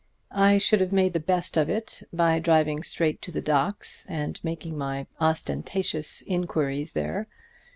I should have made the best of it by driving straight to the docks and making my ostentatious inquiries there.